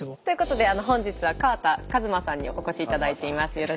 ということで本日は川田一馬さんにお越し頂いています。